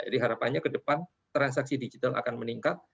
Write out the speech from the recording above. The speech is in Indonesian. jadi harapannya kedepan transaksi digital akan meningkat